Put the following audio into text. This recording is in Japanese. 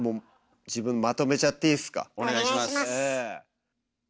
お願いします。